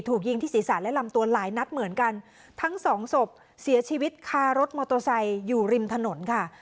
ถูกยิงที่ศีรษะและลำตัวหลายนัดเหมือนกันทั้งสองศพเสียชีวิตคารถมอเตอร์ไซค์อยู่ริมถนนค่ะ